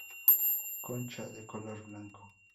Concha de color blanco.